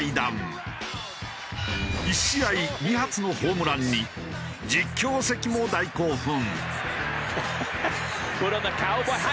１試合２発のホームランに実況席も大興奮。